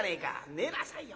「寝なさいよ」。